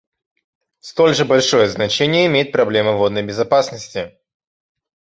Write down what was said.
Столь же большое значение имеет проблема водной безопасности.